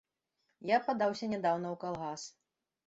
Я падаўся нядаўна ў калгас.